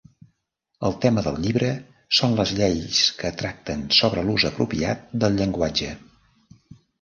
El tema del llibre són les lleis que tracten sobre l'ús apropiat del llenguatge.